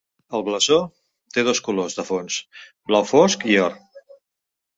El blasó té dos colors de fons: blau fosc i or.